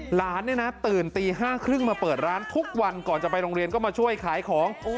หลานเนี่ยนะตื่นตี๕๓๐มาเปิดร้านทุกวันก่อนจะไปโรงเรียนก็มาช่วยขายของ